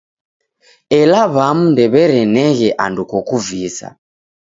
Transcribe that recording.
Ela w'amu ndew'ereneghe andu kokuvisa.